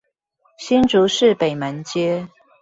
新竹市北門街